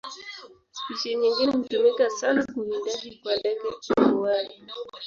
Spishi nyingine hutumika sana kwa uwindaji kwa ndege mbuai.